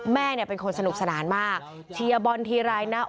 แม่เนี่ยเป็นคนสนุกสนานมากเชียร์บอลทีไรนะ